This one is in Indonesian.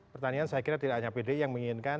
pertanian saya kira tidak hanya pdi yang menginginkan